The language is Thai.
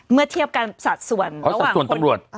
เมื่อเทียบกันสัดส่วนระหว่างคนสัดส่วนตำรวจ